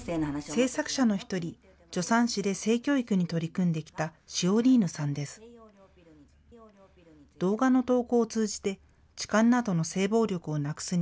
制作者の１人、助産師で性教育に取り組んできたシオリーヌさんです。